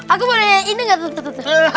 aku boleh ini gak tuh